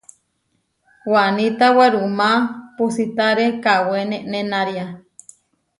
Waníta werumá puusítare kawé nenenária.